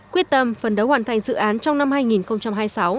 quyết tâm phần đấu hoàn thành dự án trong năm hai nghìn hai mươi sáu